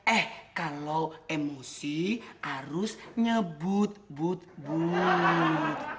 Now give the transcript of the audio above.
eh kalau emosi harus nyebut but but